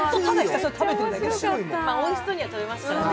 おいしそうには食べましたよね。